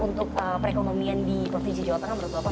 untuk perekonomian di provinsi jawa tengah menurut bapak